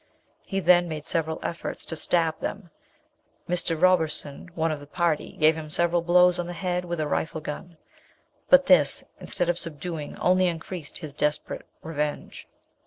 He then made several efforts to stab them. Mr. Roberson, one of the party, gave him several blows on the head with a rifle gun; but this, instead of subduing, only increased his desperate revenge.